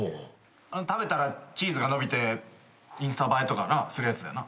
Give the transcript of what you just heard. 食べたらチーズが伸びてインスタ映えとかするやつだよな。